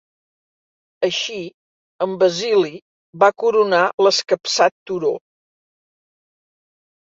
Així, en Basili va coronar l'escapçat turó.